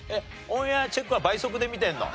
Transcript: オンエアチェックは倍速で見てるの？